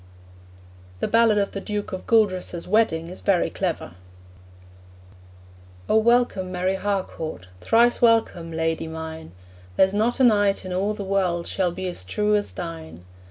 The ballad of the Duke of Gueldres's wedding is very clever: 'O welcome, Mary Harcourt, Thrice welcome, lady mine; There's not a knight in all the world Shall be as true as thine.